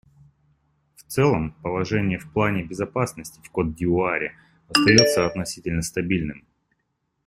В целом, положение в плане безопасности в Кот-д'Ивуаре остается относительно стабильным.